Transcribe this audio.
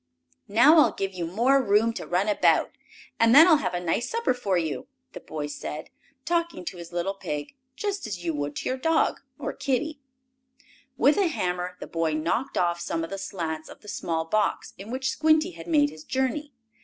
"Now I'll give you more room to run about, and then I'll have a nice supper for you," the boy said, talking to his little pig just as you would to your dog, or kittie. With a hammer the boy knocked off some of the slats of the small box in which Squinty had made his journey.